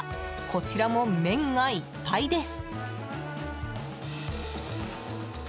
こちらも麺がいっぱいです。